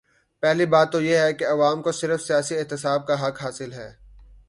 پہلی بات تو یہ ہے کہ عوام کو صرف سیاسی احتساب کا حق حاصل ہے۔